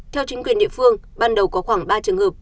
theo chính quyền địa phương ban đầu có khoảng ba trường hợp